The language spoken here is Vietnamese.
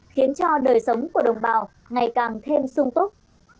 khiến cho đời sống của đồng bào ngày càng thêm sung túc